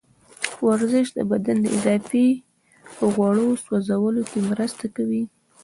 ورزش د بدن د اضافي غوړو سوځولو کې مرسته کوي.